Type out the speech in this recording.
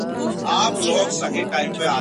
د هنر له ګوتو جوړي ګلدستې وې !.